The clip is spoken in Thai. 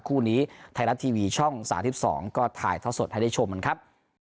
คู่นี้ไทยรัฐทีวีช่อง๓๒ก็ถ่ายท่อสดให้ได้ชมกันครับ